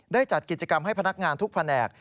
จัดกิจกรรมให้พนักงานทุกแผนก